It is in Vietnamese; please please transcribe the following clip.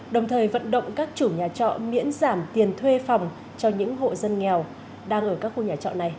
đồng thời vận động các chủ nhà trọ miễn giảm tiền thuê phòng cho những hộ dân nghèo đang ở các khu nhà trọ này